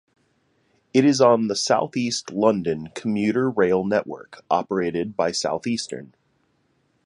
It is on the south-east London commuter rail network operated by Southeastern.